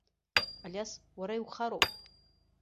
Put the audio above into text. Алиас, уара иухароуп.